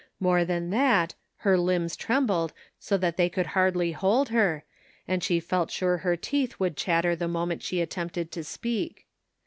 More than that, her limbs trembled so that they could hardly hold her, and she felt sure her teeth would chatter the moment she attempted to speak.